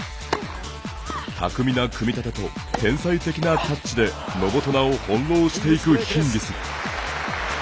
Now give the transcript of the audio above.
巧みな組み立てと天才的なタッチでノボトナを翻弄していくヒンギス。